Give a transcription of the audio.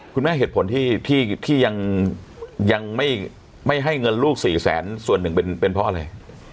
คุณแม่เหตุผลที่ที่ที่ยังยังไม่ไม่ให้เงินลูกสี่แสนส่วนหนึ่งเป็นเป็นเพราะอะไร